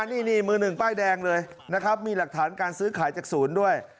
นี่มือหนึ่งป้ายแดงเลยนะครับมีหลักฐานการซื้อขายจากศูนย์ด้วย